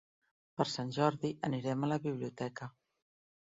Per Sant Jordi anirem a la biblioteca.